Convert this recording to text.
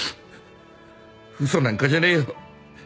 嘘なんかじゃねえよ。